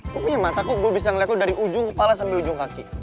gue punya mata kok gue bisa liat lo dari ujung kepala sampe ujung kaki